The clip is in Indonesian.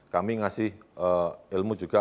kami ngasih ilmu juga